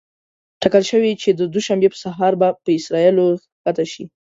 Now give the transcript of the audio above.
ټاکل شوې چې د دوشنبې په سهار په اسرائیلو کې ښکته شي.